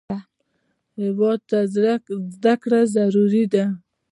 هېواد ته زده کړه ضروري ده